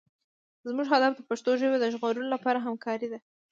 زموږ هدف د پښتو ژبې د ژغورلو لپاره همکارۍ دي.